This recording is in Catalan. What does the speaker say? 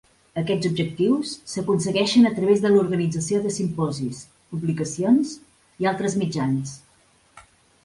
Aquests objectius s'aconsegueixen a través de l'organització de simposis, publicacions i altres mitjans.